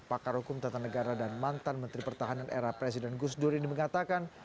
pakar hukum tata negara dan mantan menteri pertahanan era presiden gusdur ini mengatakan